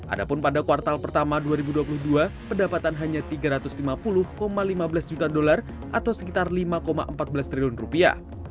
adapun pada kuartal pertama dua ribu dua puluh dua pendapatan hanya tiga ratus lima puluh lima belas juta dolar atau sekitar lima empat belas triliun rupiah